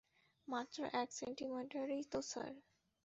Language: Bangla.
মাত্র এক সেন্টিমিটারই তো স্যার।